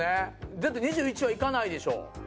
だって２１はいかないでしょ。